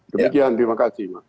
demikian terima kasih